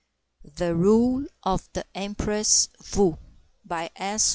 THE RULE OF THE EMPRESS WU BY S.